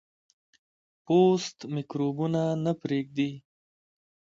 پوست میکروبونه نه پرېږدي.